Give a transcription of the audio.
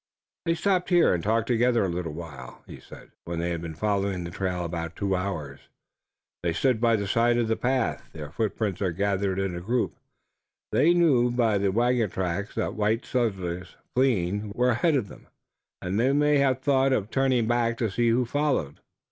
"They stopped here and talked together a little while," he said, when they had been following the trail about two hours. "They stood by the side of the path. Their footprints are gathered in a group. They knew by the wagon tracks that white settlers, fleeing, were ahead of them, and they may have thought of turning back to see who followed.